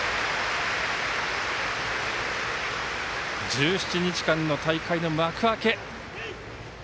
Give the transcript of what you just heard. １７日間の大会の幕開け。